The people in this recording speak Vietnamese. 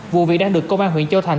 vụ việc đang được công an huyền châu thành